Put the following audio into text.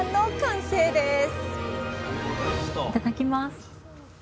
いただきます！